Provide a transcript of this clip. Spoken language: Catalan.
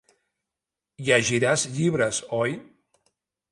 Llegiràs llibres, oi?